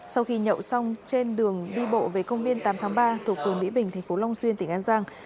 sau khi nhậu xong trên đường đi bộ về công viên tám tháng ba thuộc phường mỹ bình thành phố long xuyên tỉnh an giang